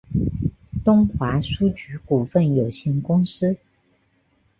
东华书局股份有限公司